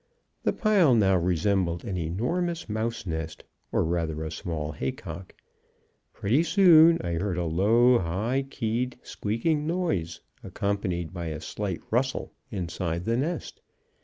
The pile now resembled an enormous mouse nest, or rather a small hay cock. Pretty soon I heard a low, high keyed, squeaking noise, accompanied by a slight rustle inside the nest.